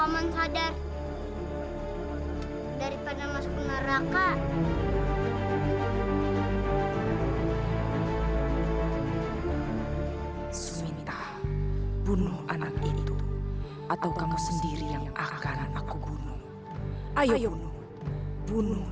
minta bunuh anak itu atau kamu sendiri akan aku bunuh